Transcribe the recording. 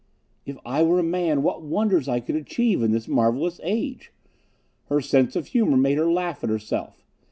"If I were a man, what wonders I could achieve in this marvelous age!" Her sense of humor made her laugh at herself.